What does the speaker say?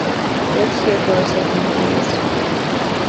Wait here for a second, please.